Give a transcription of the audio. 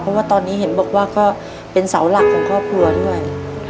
เพราะว่าตอนนี้เห็นบอกว่าก็เป็นเสาหลักของครอบครัวด้วย